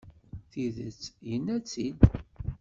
Tidet, yenna-tt-id.